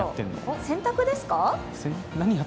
洗濯ですか？